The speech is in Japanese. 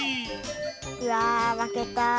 うわまけた。